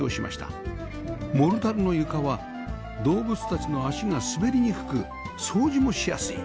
モルタルの床は動物たちの足が滑りにくく掃除もしやすい